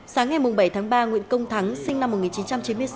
sáng ngày bảy tháng ba nguyễn công thắng sinh năm một nghìn chín trăm chín mươi sáu